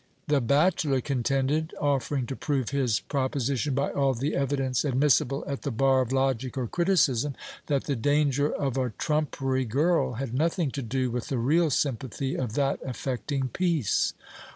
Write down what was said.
The bachelor contended, offering to prove his proposi tion by all the evidence admissible at the bar of logic or criticism, that the danger of a trumpery girl had nothing to do with the real sympathy of that affecting piece.